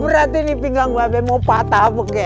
berarti ini pinggang gue mau patah begini